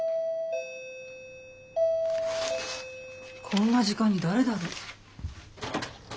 こんな時間に誰だろ。